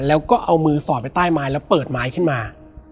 แล้วก็เอามือสอดไปใต้ไม้แล้วเปิดไม้ขึ้นมา